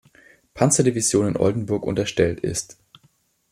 Panzerdivision in Oldenburg unterstellt ist.